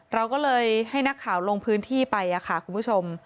เราก็เลยให้นักข่าวลงพื้นที่ไปค่ะคุณผู้ชม